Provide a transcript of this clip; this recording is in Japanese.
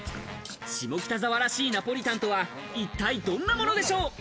下北沢らしいナポリタンとは、一体どんなものでしょう。